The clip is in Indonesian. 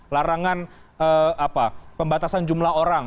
larangan pembatasan jumlah orang